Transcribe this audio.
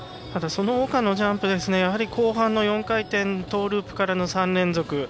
そのほかのジャンプで後半の４回転トーループからの３連続。